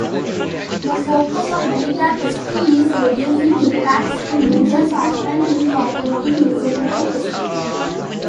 The focus of beta testing is reducing impacts to users, often incorporating usability testing.